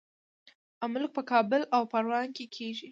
املوک په کابل او پروان کې کیږي.